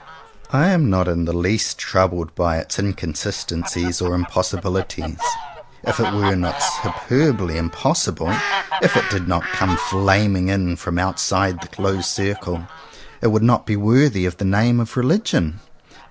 I am not in the least troubled by its in consistencies or impossibilities. If it were not superbly impossible, if it did not come 56 JOHN COWPER POWYS flaming in, from outside the closed circle, it would not be worthy of the name of religion.